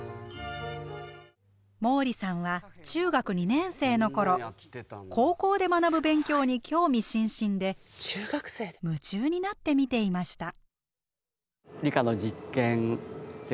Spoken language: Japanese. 毛利さんは中学２年生の頃高校で学ぶ勉強に興味津々で夢中になって見ていました。